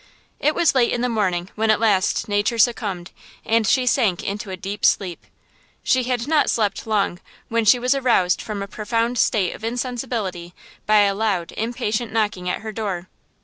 It was late in the morning when at last nature succumbed, and she sank into a deep sleep. She had not slept long when she was aroused from a profound state of insensibility by a loud, impatient knocking at her door.